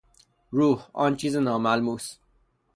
روح، آن چیز ناملموس